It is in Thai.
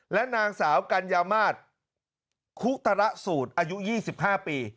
และนางสาวกัญญามาศคุธระสูตรอายุ๒๕ปี